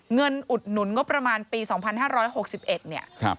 อุดหนุนงบประมาณปี๒๕๖๑เนี่ย